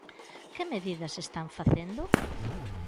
¿Que medidas están facendo?